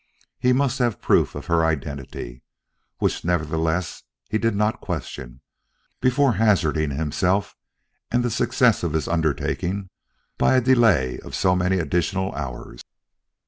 He must have proof of her identity which nevertheless he did not question before hazarding himself and the success of his undertaking by a delay of so many additional hours.